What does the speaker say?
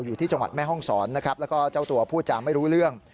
อยู่ที่จังหวัดแม่ห้องศรนะครับแล้วก็เจ้าตัวพูดจาไม่รู้เรื่อง